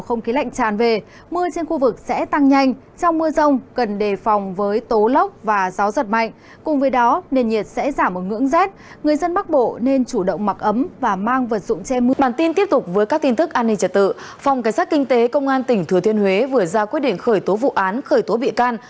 phòng cảnh sát kinh tế công an tỉnh thừa thiên huế vừa ra quyết định khởi tố vụ án khởi tố bị can